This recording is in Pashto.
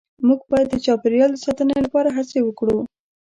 مونږ باید د چاپیریال د ساتنې لپاره هڅې وکړو